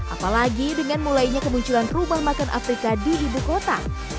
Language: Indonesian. apalagi dengan mulainya kemunculan rumah makan afrika di ibu kota